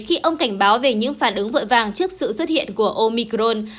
khi ông cảnh báo về những phản ứng vội vàng trước sự xuất hiện của omicron